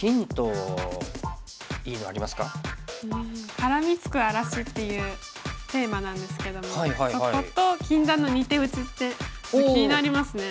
「からみつく荒らし」っていうテーマなんですけどもそこと「禁断の二手打ち」ってちょっと気になりますね。